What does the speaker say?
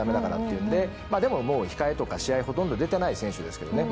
でも控えとか試合ほとんど出てない選手ですけどね。